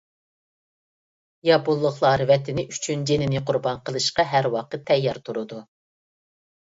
ياپونلۇقلار ۋەتىنى ئۈچۈن جېنىنى قۇربان قىلىشقا ھەر ۋاقىت تەييار تۇرىدۇ.